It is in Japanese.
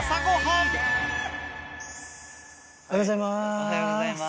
おはようございます。